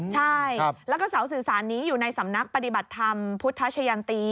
ใช่แล้วก็เสาสื่อสารนี้อยู่ในสำนักปฏิบัติธรรมพุทธชะยันตี